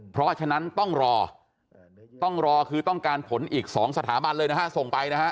เพราะฉะนั้นต้องรอต้องรอคือต้องการผลอีก๒สถาบันเลยนะฮะส่งไปนะฮะ